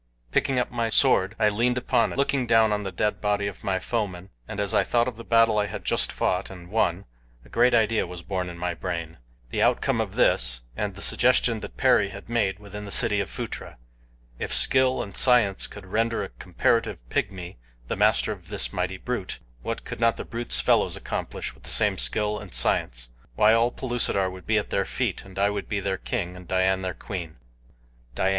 Picking up my sword I leaned upon it, looking down on the dead body of my foeman, and as I thought of the battle I had just fought and won a great idea was born in my brain the outcome of this and the suggestion that Perry had made within the city of Phutra. If skill and science could render a comparative pygmy the master of this mighty brute, what could not the brute's fellows accomplish with the same skill and science. Why all Pellucidar would be at their feet and I would be their king and Dian their queen. Dian!